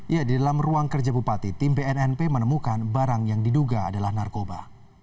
ya di dalam ruang kerja bupati tim bnnp menemukan barang yang diduga adalah narkoba